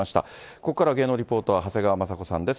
ここからは芸能リポーター、長谷川まさ子さんです。